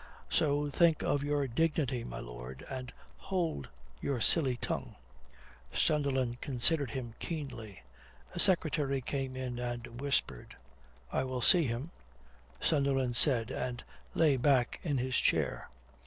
So think of your dignity, my lord. And hold your silly tongue." Sunderland considered him keenly. A secretary came in and whispered. "I will see him," Sunderland said, and lay back in his chair.